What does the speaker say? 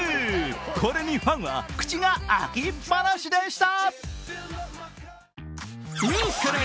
これにファンは口が開きっぱなしでした。